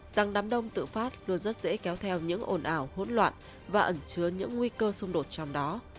rằng đám đông tự phát luôn rất dễ kéo theo những ồn ào hỗn loạn và ẩn chứa những nguy cơ xung đột trong đó